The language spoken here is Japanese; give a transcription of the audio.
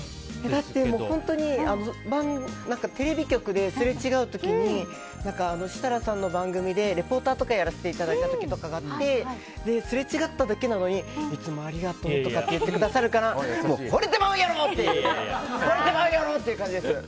だって本当にテレビ局ですれ違う時に設楽さんの番組でリポーターとかやらせていただいた時とかあってすれ違っただけなのにいつもありがとうとかって言ってくださるからほれてまうやろ！っていう感じです。